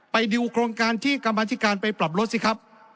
ไปดูโครงการที่กรรมธิการไปปรับลดสิครับ